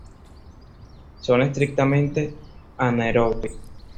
Son estrictamente anaerobias.